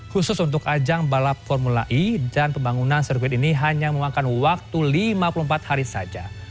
khusus untuk ajang balap formula e dan pembangunan sirkuit ini hanya memakan waktu lima puluh empat hari saja